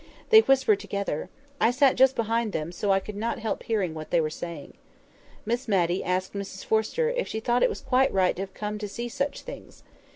They whispered together. I sat just behind them, so I could not help hearing what they were saying. Miss Matty asked Mrs Forrester "if she thought it was quite right to have come to see such things?